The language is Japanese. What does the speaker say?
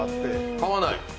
買わない？